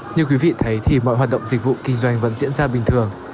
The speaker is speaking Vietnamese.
như quý vị thấy thì mọi hoạt động dịch vụ kinh doanh vẫn diễn ra bình thường